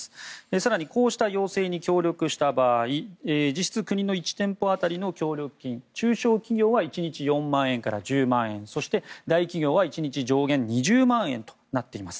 更にこうした要請に協力した場合実質、国の１店舗当たりの協力金中小企業は１日４万円から１０万円そして大企業は１日上限２０万円となっています。